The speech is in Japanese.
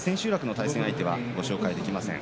対戦相手はご紹介できません。